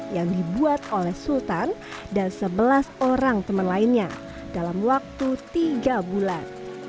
yang dibuat oleh sultan dan sebelas orang teman lainnya dalam waktu tiga bulan